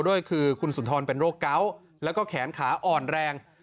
ด้วยคือคุณสุนทรเป็นโรคเกาะแล้วก็แขนขาอ่อนแรง